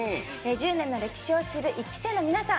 １０年の歴史を知る１期生の皆さん